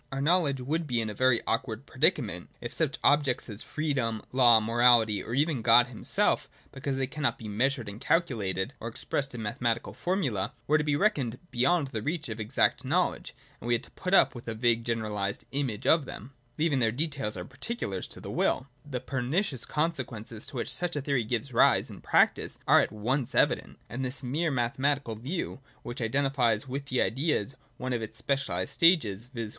Our linowledge would be in a very awkward predicament if such objects as free dom, law, morality, or even God himself, because they cannot be measured and calculated, or expressed in a mathematical formula, were to be reckoned beyond the reach of exact knowledge, and we had to put up with a vague generalised image of them, leaving their details or particulars to the pleasure of each individual, to make out of them what he will. The pernicious consequences, to which such a theory gives rise in practice, are at once evident. And this mere mathematical view, which identifies with the Idea one of its special stages, viz.